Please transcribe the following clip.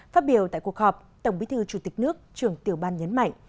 phát biểu tại cuộc họp tổng bí thư chủ tịch nước trưởng tiểu ban nhấn mạnh